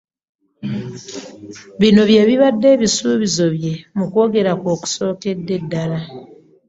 Bino by'ebibadde ebisuubizo bye mu kwogera kwe okusookedde ddala